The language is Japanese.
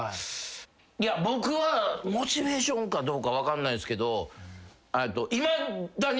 いや僕はモチベーションかどうか分かんないですけどいまだに。